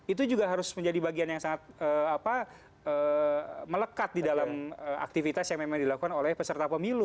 itu juga harus menjadi bagian yang sangat melekat di dalam aktivitas yang memang dilakukan oleh peserta pemilu